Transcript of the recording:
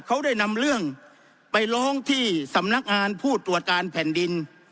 เขาได้นำเรื่องไปร้องที่สำนักงานผู้ตรวจการแผ่นดิน